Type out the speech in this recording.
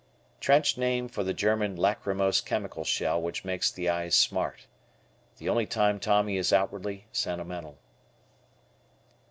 Trench name for the German lachrymose chemical shell which makes the eyes smart. The only time Tommy is outwardly sentimental.